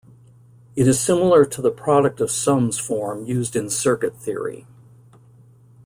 It is similar to the product of sums form used in circuit theory.